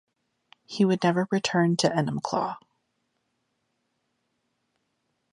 He would never return to Enumclaw.